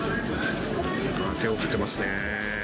手を振ってますね。